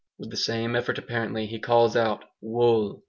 With the same effort apparently he calls out 'Wool!'